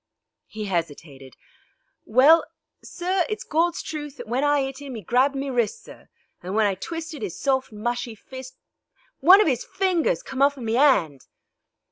He hesitated. "Well, sir, it's Gawd's truth that when I 'it 'im 'e grabbed me wrists, sir, and when I twisted 'is soft, mushy fist one of 'is fingers come off in me 'and."